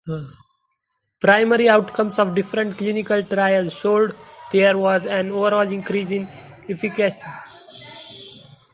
Primary outcomes of different clinical trials showed there was an overall increase in efficacy.